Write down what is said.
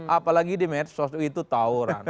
apalagi di medsos itu tawuran